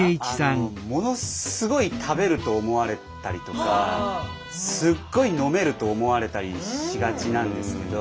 ものすごい食べると思われたりとかすっごい飲めると思われたりしがちなんですけど。